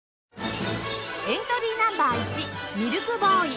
エントリーナンバー１ミルクボーイ